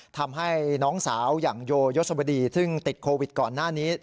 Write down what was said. ทำให้น้องสาวอย่างโยยศวดีซึ่งติดโควิดก่อนหน้านี้